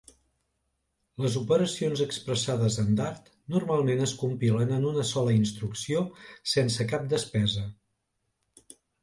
Les operacions expressades en Dart normalment es compilen en una sola instrucció sense cap despesa.